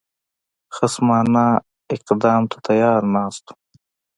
خصمانه افدام ته تیار ناست وو.